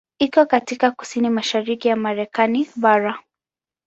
Iko katika kusini mashariki ya Marekani bara.